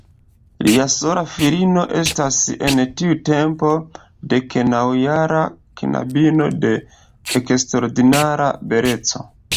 Lia sola filino estis en tiu tempo deknaŭjara knabino de eksterordinara beleco.